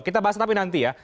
kita bahas tapi nanti ya